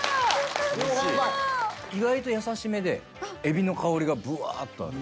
意外と優しめでエビの香りがぶわっとある。